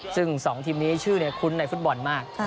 ซึ่ง๒ทีมนี้ชื่อคุ้นในฟุตบอลมาก